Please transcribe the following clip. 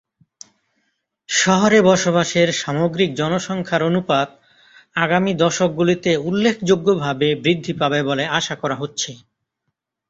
শহরে বসবাসের সামগ্রিক জনসংখ্যার অনুপাত আগামী দশকগুলিতে উল্লেখযোগ্যভাবে বৃদ্ধি পাবে বলে আশা করা হচ্ছে।